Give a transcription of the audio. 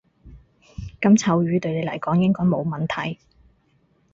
噉臭魚對你嚟講應該冇問題